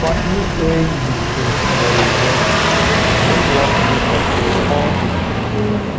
While he's saying this thing there is a main vocal that goes over that.